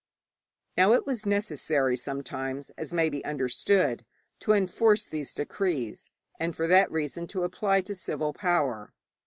Now, it was necessary sometimes, as may be understood, to enforce these decrees, and for that reason to apply to civil power.